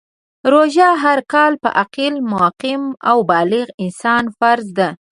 روژه هر کال په عاقل ، مقیم او بالغ انسان فرض ده .